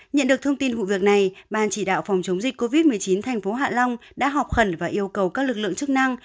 nhận được thông tin vụ việc này ban chỉ đạo phòng chống dịch covid một mươi chín thành phố hạ long đã họp khẩn và yêu cầu các lực lượng chức năng